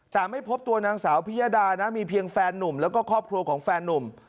แต่ไม่พบตัวนางสาวพิยดานะมีเพียงแฟนนุ่มแล้วก็ครอบครัวของแฟนนุ่ม